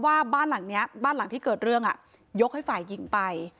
ว่าบ้านหลังนี้บ้านหลังที่เกิดเรื่องยกให้ฝ่ายหญิงไป